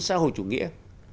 xã hội chủ nghĩa